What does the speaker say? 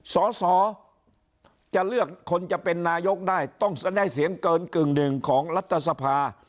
สอสอจะเลือกคนจะเป็นนายกได้ต้องได้เสียงเกินกึ่งหนึ่งของรัฐสภา